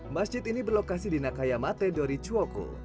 masjid ini berlokasi di nakayamate dori chwoku